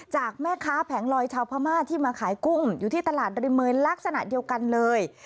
จากแม่ค้าแผงลอยชาวพม่าที่มาขายกุ้งอยู่ที่ตลาดริเมยลักษณะเดียวกันเลย